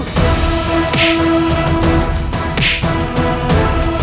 terima kasih nimas